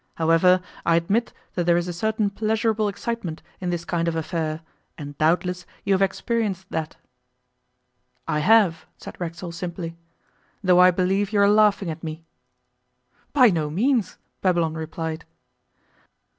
However, I admit that there is a certain pleasurable excitement in this kind of affair and doubtless you have experienced that.' 'I have,' said Racksole simply, 'though I believe you are laughing at me.' 'By no means,' Babylon replied.